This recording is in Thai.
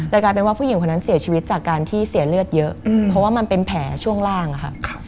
กลายเป็นว่าผู้หญิงคนนั้นเสียชีวิตจากการที่เสียเลือดเยอะเพราะว่ามันเป็นแผลช่วงล่างอะค่ะ